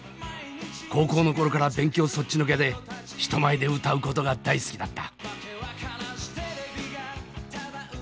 高校の頃から勉強そっちのけで人前で歌うことが大好きだった。